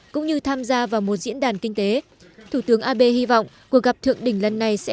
cũng như tham gia vào một diễn đàn kinh tế thủ tướng abe hy vọng cuộc gặp thượng đỉnh lần này sẽ